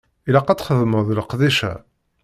Ilaq ad txedmeḍ leqdic-a.